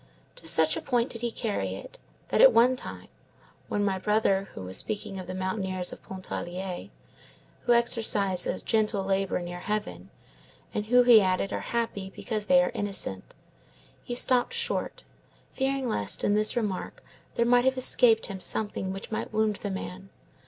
To such a point did he carry it, that at one time, when my brother was speaking of the mountaineers of Pontarlier, who exercise a gentle labor near heaven, and who, he added, are happy because they are innocent, he stopped short, fearing lest in this remark there might have escaped him something which might wound the man.